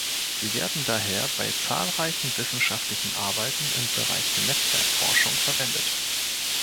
Sie werden daher bei zahlreichen wissenschaftlichen Arbeiten im Bereich der Netzwerk-Forschung verwendet.